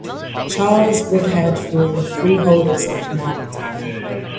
Charles Brodhead for the freeholders of Marbletown.